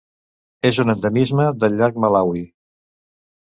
És un endemisme del llac Malawi.